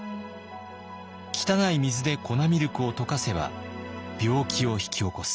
汚い水で粉ミルクを溶かせば病気を引き起こす。